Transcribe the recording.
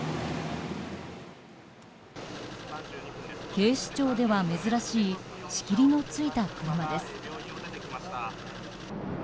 警視庁では珍しい仕切りのついた車です。